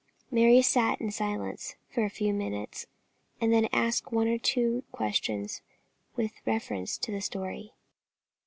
Mary sat in silence for a few minutes, and then asked one or two questions with reference to the story.